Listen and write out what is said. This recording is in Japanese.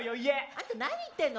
あんた何言ってんの？